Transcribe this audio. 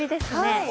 はい！